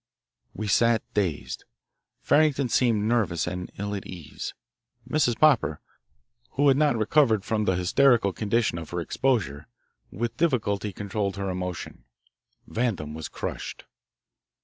We sat dazed. Farrington seemed nervous and ill at ease. Mrs. Popper, who had not recovered from the hysterical condition of her exposure, with difficulty controlled her emotion. Vandam was crushed.